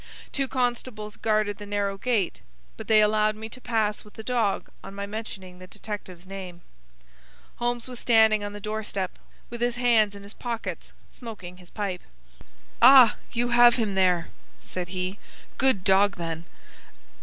Two constables guarded the narrow gate, but they allowed me to pass with the dog on my mentioning the detective's name. Holmes was standing on the door step, with his hands in his pockets, smoking his pipe. "Ah, you have him there!" said he. "Good dog, then!